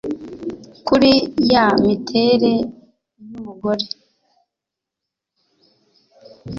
kuri ya mitere yu mugore,